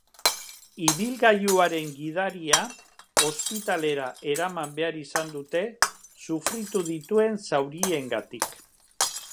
Ibilgailuaren gidaria ospitalera eraman behar izan dute sufritu dituen zauriengatik.